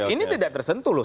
ini tidak tersentuh loh